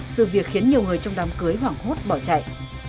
sự việc khiến nhiều người trong đám cưới hoảng hốt bỏ chạy